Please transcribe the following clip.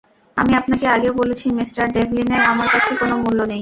আমি আপনাকে আগেও বলেছি, মিঃ ডেভলিনের আমার কাছে কোন মূল্য নেই।